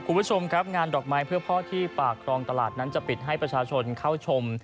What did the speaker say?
คุณผู้ชมครับงานดอกไม้เพื่อพ่อที่ปากครองตลาดนั้นจะปิดให้ประชาชนเข้าชม